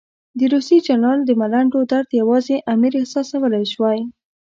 د روسي جنرال د ملنډو درد یوازې امیر احساسولای شوای.